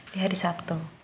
di hari selanjutnya